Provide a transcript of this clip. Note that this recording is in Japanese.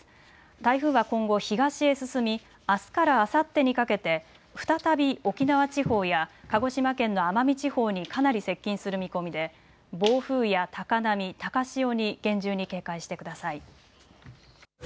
台風は今後、東へ進みあすからあさってにかけて再び沖縄地方や鹿児島県の奄美地方にかなり接近する見込みで暴風や高波、高潮に厳重に警戒してください。